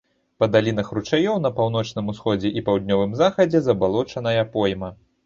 Па далінах ручаёў на паўночным усходзе і паўднёвым захадзе забалочаная пойма.